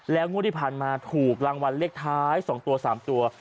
งวดที่ผ่านมาถูกรางวัลเลขท้าย๒ตัว๓ตัว